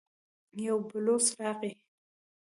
يو بلوڅ راغی.